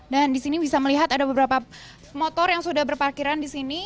dan disini bisa melihat ada beberapa motor yang sudah berparkiran disini